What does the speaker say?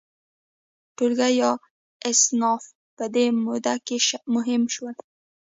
ټولګي یا اصناف په دې موده کې مهم شول.